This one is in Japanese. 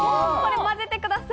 混ぜてください！